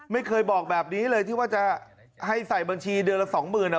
ไม่เคยบอกแบบนี้เลยที่ว่าจะให้ใส่บัญชีเดือนละสองหมื่นอ่ะ